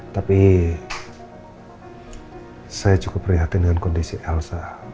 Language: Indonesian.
tapi saya cukup prihatin dengan kondisi elsa